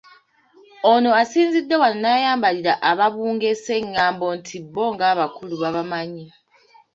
Ono asinzidde wano n'ayambalira ababungeesa eng'ambo nti bo ng'abakulu babamanyi